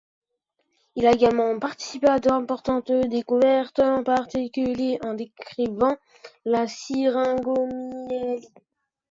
Il a également participé à d'importantes découvertes, en particulier en décrivant la syringomyélie.